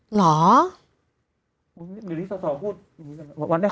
เหลือที่สสพูด